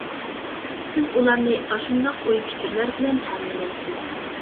سىز ئۇلارنى ئاشۇنداق ئوي-پىكىرلەر بىلەن تەمىنلەيسىز.